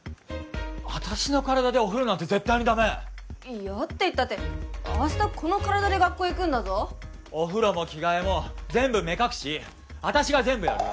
私の体でお風呂なんて絶対にダメ嫌って言ったって明日この体で学校行くんだぞお風呂も着替えも全部目隠し私が全部やる！